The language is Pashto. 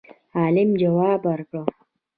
عالم جواب ورکړ